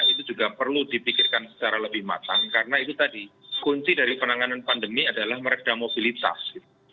itu juga perlu dipikirkan secara lebih matang karena itu tadi kunci dari penanganan pandemi adalah meredam mobilitas